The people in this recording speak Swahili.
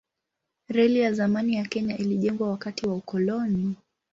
Reli ya zamani ya Kenya ilijengwa wakati wa ukoloni.